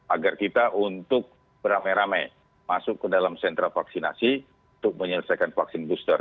agar kita untuk beramai ramai masuk ke dalam sentra vaksinasi untuk menyelesaikan vaksin booster